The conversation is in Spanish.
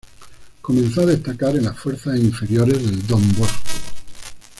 Comenzó a destacar en las fuerzas inferiores del Don Bosco.